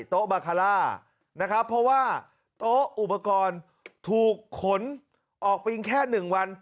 โต๊ะบาคาร่านะครับเพราะว่าโต๊ะอุปกรณ์ถูกขนออกไปแค่๑วัน